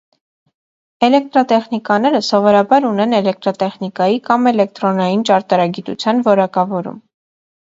Էլեկտրատեխնիկները սովորաբար ունեն էլեկտրատեխնիկայի կամ էլեկտրոնային ճարտարագիտության որակավորում։